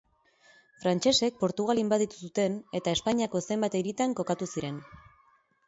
Frantsesek Portugal inbaditu zuten eta Espainiako zenbait hiritan kokatu ziren.